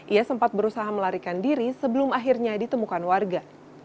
ia sempat berusaha melarikan diri sebelum akhirnya ditemukan warga